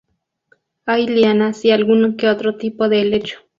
Hay lianas y algún que otro tipo de helecho.